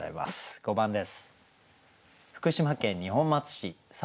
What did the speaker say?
５番です。